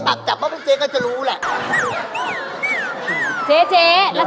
ถ้าเจ๊ทายผิดนะมาเตะเจ๊เลย